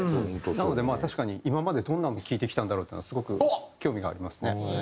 なのでまあ確かに今までどんなのを聴いてきたんだろうっていうのはすごく興味がありますね。